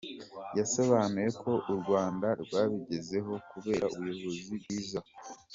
Yasobanuye ko u Rwanda rwabigezeho kubera ubuyobozi bwiza bwita ku mibereho y’abaturage.